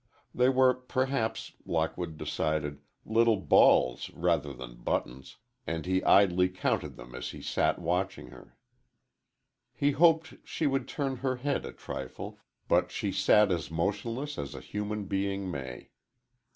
They were, perhaps, Lockwood decided, little balls, rather than buttons, and he idly counted them as he sat watching her. He hoped she would turn her head a trifle, but she sat as motionless as a human being may.